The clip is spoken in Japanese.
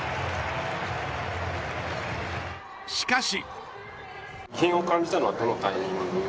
しかし。